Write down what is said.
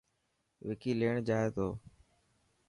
وڪي ليڻ جائي تو.